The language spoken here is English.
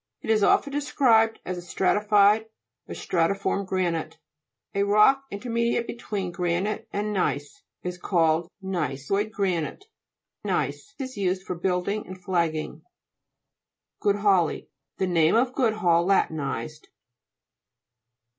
It is often described as a stratified or stratiform granite. A rock intermediate between granite and gneiss is called gneissoid gra nite. Gneiss is used for building and flagging" (p. 25). GON'IATITES (p. 38). GOODHALLII The name Goodhall latinized.